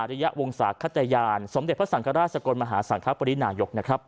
อารยะวงศาสตร์ขัตยานสมเด็จพระสังกราชกรมหาสังครับบรินาโยคนะครับ